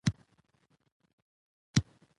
افغانستان د طبیعي زیرمې له پلوه متنوع دی.